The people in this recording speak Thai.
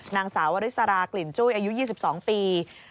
นางสาววริสรากลิ่นจุ้ยอายุ๒๒ปี